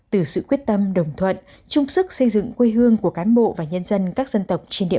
từ sự quyết tâm đồng thuận trung sức xây dựng quê hương của cán bộ và nhân dân các dân tộc trên địa